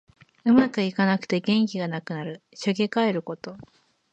うまくいかなくて元気がなくなる。しょげかえること。